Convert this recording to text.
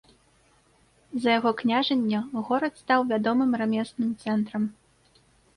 За яго княжанне горад стаў вядомым рамесным цэнтрам.